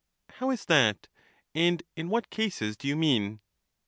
How is that? and in what cases do you mean?